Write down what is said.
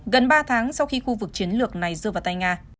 gần ba tháng sau khi khu vực chiến lược này rơi vào tay nga